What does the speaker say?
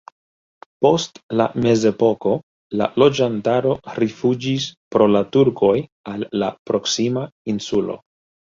Post la mezepoko la loĝantaro rifuĝis pro la turkoj al la proksima insulo.